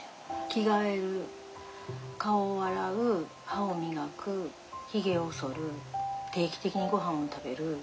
着替える顔を洗う歯を磨くひげをそる定期的にごはんを食べる。